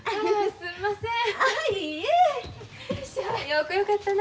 すんません。